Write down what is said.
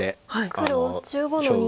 黒１５の二。